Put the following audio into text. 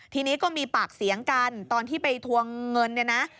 ทีนี้ก็มีปากเสียงกันตอนที่ไปทัวร์เงิน